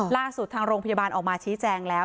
ทางโรงพยาบาลออกมาชี้แจงแล้ว